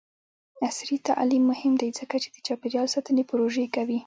عصري تعلیم مهم دی ځکه چې د چاپیریال ساتنې پروژې کوي.